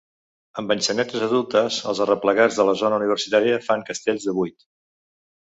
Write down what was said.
Amb enxanetes adultes, els Arreplegats de la Zona Universitària fan castells de vuit